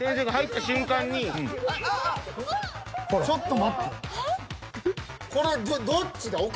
［ちょっと待って］